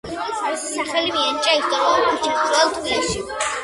მისი სახელი მიენიჭა ისტორიულ ქუჩას ძველ თბილისში.